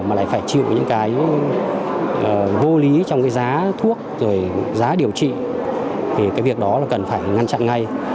mà lại phải chịu những cái vô lý trong cái giá thuốc rồi giá điều trị thì cái việc đó là cần phải ngăn chặn ngay